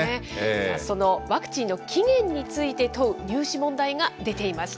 そのワクチンの起源について問う入試問題が出ていました。